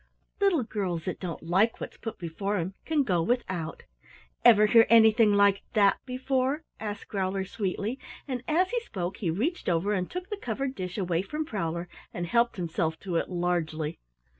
"Little girls that don't like what's put before 'em can go without. Ever hear anything like that before?" asked Growler sweetly, and as he spoke he reached over and took the covered dish away from Prowler and helped himself to it largely.